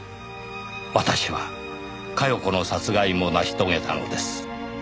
「私は加世子の殺害も成し遂げたのです」